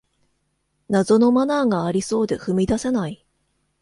謎のマナーがありそうで踏み出せない